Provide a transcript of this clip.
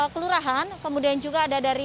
kelurahan kemudian juga ada dari